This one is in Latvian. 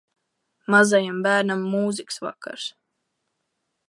Mazajam bērnam mūzikas vakars.